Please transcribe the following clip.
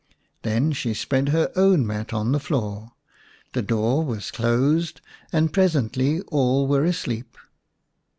Then she spread her own mat on the floor, the door was closed, and presently all were asleep.